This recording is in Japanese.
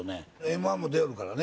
Ｍ−１も出よるからね